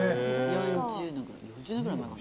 ４０年ぐらい前かな。